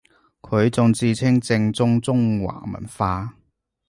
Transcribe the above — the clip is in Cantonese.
佢仲自稱正宗中華文化